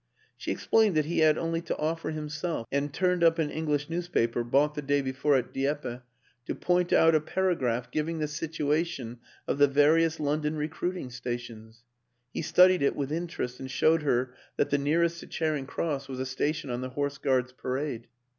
" She explained that he had only to offer himself, and turned up an English newspaper bought the day before at Dieppe to point out a paragraph giving the situation of the various London recruit ing stations. He studied it with interest and showed her that the nearest to Charing Cross was a station on the Horse Guards Parade.